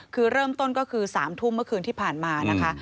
คือเริ่มต้นก็คือ๓ทุ่มเมื่อคืนที่ผ่านมานะคะ